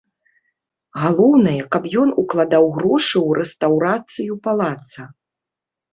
Галоўнае, каб ён укладаў грошы ў рэстаўрацыю палаца.